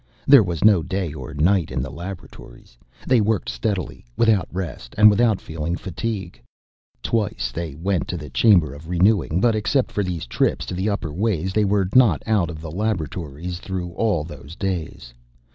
There was no day or night in the laboratories. They worked steadily without rest, and without feeling fatigue. Twice they went to the Chamber of Renewing, but except for these trips to the upper ways they were not out of the laboratories through all those days.